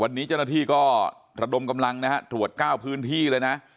วันนี้เจ้าหน้าที่ก็ระดมกำลังนะฮะตรวจ๙พื้นที่เลยนะ